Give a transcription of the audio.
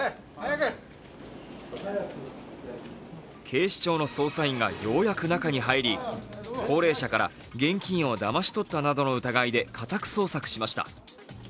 警視庁の捜査員がようやく中に入り、高齢者から現金をだまし取ったなどの疑いで家宅捜索しました。